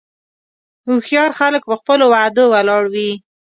هوښیار خلک په خپلو وعدو ولاړ وي.